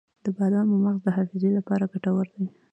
د بادامو مغز د حافظې لپاره ګټور دی.